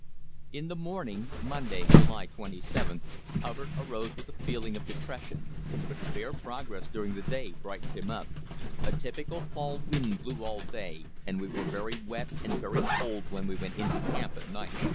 In the morning (Monday, July 27) Hubbard arose with a feeling of depression, but fair progress during the day brightened him up. A typical fall wind blew all day, and we were very wet and very cold when we went into camp at night.